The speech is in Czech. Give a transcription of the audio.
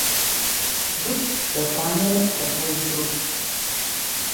Dub byl chráněn pro svůj vzrůst.